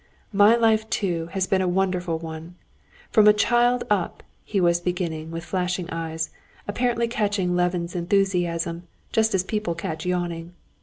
"My life, too, has been a wonderful one. From a child up...." he was beginning with flashing eyes, apparently catching Levin's enthusiasm, just as people catch yawning.